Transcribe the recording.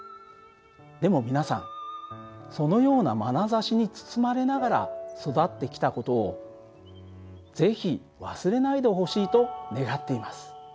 でも皆さんそのようなまなざしに包まれながら育ってきた事を是非忘れないでほしいと願っています。